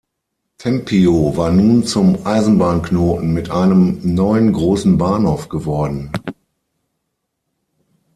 Tempio war nun zum Eisenbahnknoten mit einem neuen großen Bahnhof geworden.